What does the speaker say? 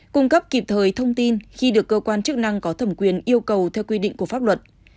cung cấp kịp thời thông tin khi được cơ quan chức năng có thẩm quyền yêu cầu theo quy định của pháp luật